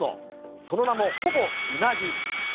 その名もほぼうなぎ。